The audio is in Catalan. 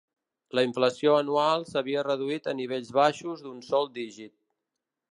La inflació anual s'havia reduït a nivells baixos d'un sol dígit.